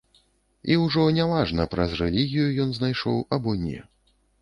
І ужо не важна, праз рэлігію ён знайшоў або не.